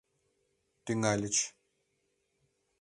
Тӱҥальыч.